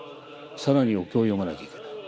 更にお経を読まなきゃいけない。